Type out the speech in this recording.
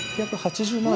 ６８０万！